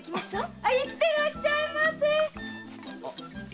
いってらっしゃいませ！